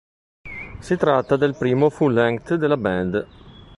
Si tratta del primo full-lenght della band.